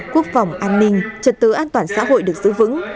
quốc phòng an ninh trật tự an toàn xã hội được giữ vững